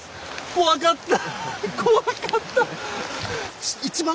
怖かった。